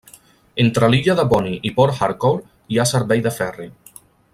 Entre l'illa de Bonny i Port Harcourt hi ha servei de ferri.